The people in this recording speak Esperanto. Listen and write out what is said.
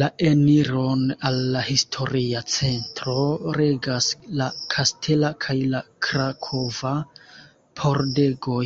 La eniron al la historia centro regas la Kastela kaj la Krakova Pordegoj.